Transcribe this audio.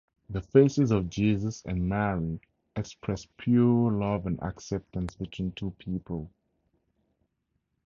The faces of Jesus and Mary express pure love and acceptance between two people.